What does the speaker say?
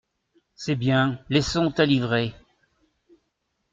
C’est bien, laissons ta livrée…